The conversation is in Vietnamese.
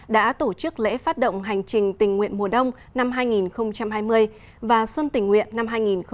đã tổ chức lễ phát động hành trình tình nguyện mùa đông năm hai nghìn hai mươi và xuân tình nguyện năm hai nghìn hai mươi một